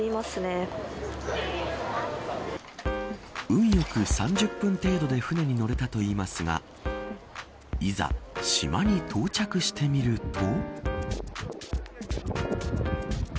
運よく３０分程度で船に乗れたといいますがいざ、島に到着してみると。